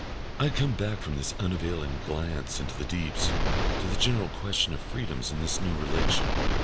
I come back from this unavailing glance into the deeps to the general question of freedoms in this new relation.